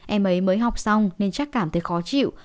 em ấy mới học xong nên chắc cảm thấy khó chịu